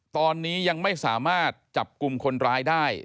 ตอนนี้ยังไม่สามารถจับกลุ่มคนร้ายได้